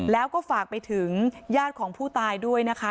แล้วก็ฝากไปถึงญาติของผู้ตายด้วยนะคะ